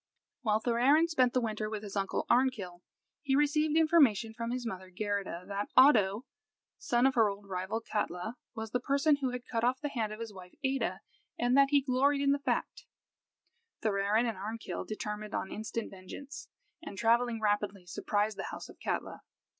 While Thorarin spent the winter with his uncle Arnkill, he received information from his mother Geirrida that Oddo, son of her old rival Katla, was the person who had cut off the hand of his wife Ada, and that he gloried in the fact. Thorarin and Arnkill determined on instant vengeance, and, travelling rapidly, surprised the house of Katla.